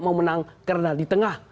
mau menang karena di tengah